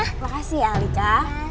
terima kasih alika